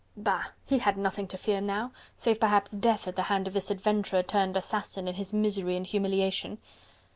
Bah! he had nothing to fear now, save perhaps death at the hand of this adventurer turned assassin in his misery and humiliation!